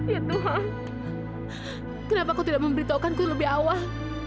ya tuhan kenapa kau tidak memberitahukanku lebih awal